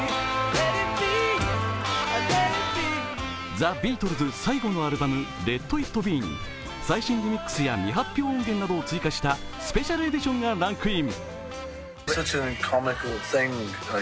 ザ・ビートルズ最後のアルバム「ＬｅｔＩｔＢｅ」に最新リミックスや未発表音源などを追加したスペシャルエディションがランクイン。